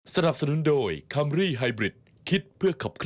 ผมไม่วงรู้กับคนเลวหรอกผมไม่ต้องการ